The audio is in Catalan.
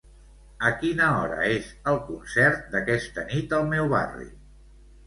A quina hora és el concert d'aquesta nit al meu barri?